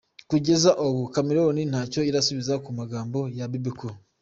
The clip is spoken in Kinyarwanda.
Kugeza ubu, Chameleone ntacyo arasubiza ku magambo ya Bebe Cool.